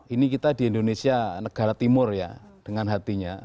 ini kita di indonesia negara timur ya dengan hatinya